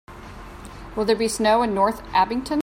Will there be snow in North Abington